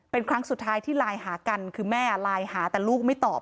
เป็นครั้งสุดท้ายที่ไลน์หากันคือแม่ไลน์หาแต่ลูกไม่ตอบ